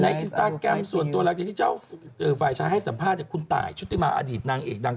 อินสตาแกรมส่วนตัวหลังจากที่เจ้าฝ่ายชายให้สัมภาษณ์คุณตายชุติมาอดีตนางเอกดัง